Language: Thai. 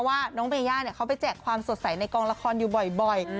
ว่าน้องเบย่าเขาไปแจกความสดใสในกองละครอยู่บ่อย